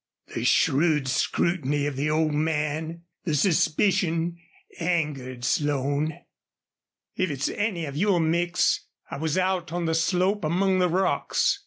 The shrewd scrutiny of the old man, the suspicion, angered Slone. "If it's any of your mix, I was out on the slope among the rocks.